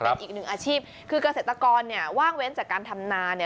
เป็นอีกหนึ่งอาชีพคือเกษตรกรเนี่ยว่างเว้นจากการทำนาเนี่ย